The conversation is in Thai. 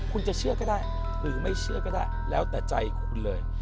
คุณจะเชื่อก็ได้หรือไม่เชื่อก็ได้แล้วแต่ใจคุณเลย